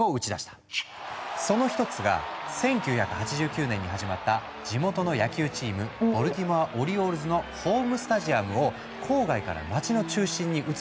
その一つが１９８９年に始まった地元の野球チームボルティモア・オリオールズのホームスタジアムを郊外から街の中心に移す建設計画だった。